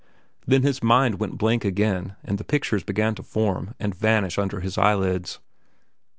Then his mind went blank again, and the pictures began to form and vanish under his eyelids.